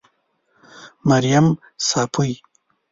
مريم صافۍ